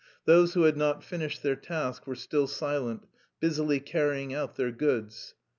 Those who had not finished their task were still silent, busily carrying out their goods.